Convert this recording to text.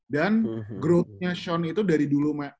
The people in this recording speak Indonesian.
dan growth nya sean itu dari dulu